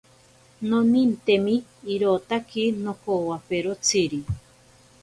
Nonintemi irotaki nokowaperotsiri.